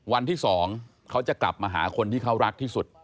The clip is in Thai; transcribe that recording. วันที่๒เขาจะกลับมาหาคนที่เขารักที่สุด